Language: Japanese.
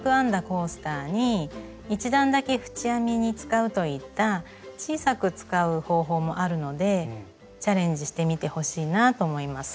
コースターに１段だけ縁編みに使うといった小さく使う方法もあるのでチャレンジしてみてほしいなと思います。